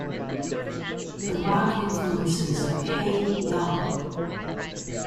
The rock influences of Hey Ya!